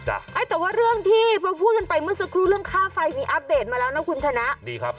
แต่ว่าเรื่องที่พอพูดกันไปเมื่อสักครู่เรื่องค่าไฟมีอัปเดตมาแล้วนะคุณชนะดีครับ